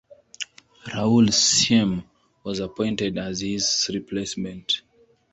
Raul Siem was appointed as his replacement.